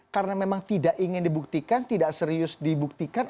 karena memang tidak ingin dibuktikan tidak serius dibuktikan